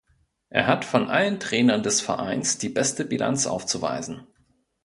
Er hat von allen Trainern des Vereins die beste Bilanz aufzuweisen.